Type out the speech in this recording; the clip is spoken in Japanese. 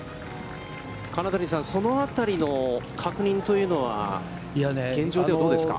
金谷さん、そのあたりの確認というのは、現状ではどうですか。